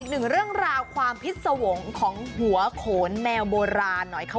หนึ่งเรื่องราวความพิษสวงของหัวโขนแมวโบราณหน่อยค่ะ